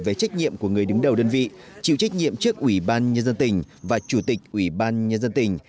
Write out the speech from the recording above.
về trách nhiệm của người đứng đầu đơn vị chịu trách nhiệm trước ủy ban nhân dân tỉnh và chủ tịch ủy ban nhân dân tỉnh